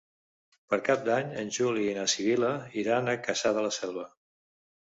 Per Cap d'Any en Juli i na Sibil·la iran a Cassà de la Selva.